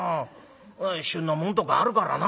旬のもんとかあるからな。